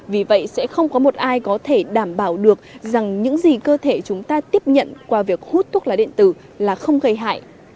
vì vậy sẽ không có một ai có thể đảm bảo được rằng những gì cơ thể chúng ta tiếp nhận qua việc hút thuốc lá điện tử là không gây hại